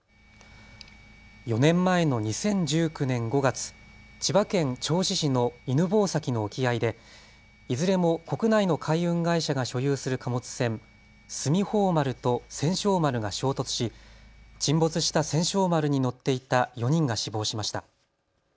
４年前の２０１９年５月、千葉県銚子市の犬吠埼の沖合でいずれも国内の海運会社が所有する貨物船、すみほう丸と千勝丸が衝突し沈没した千勝丸に乗っていた４人が死亡しました。